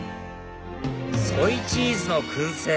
ソイチーズの薫製